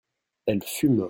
elle fume.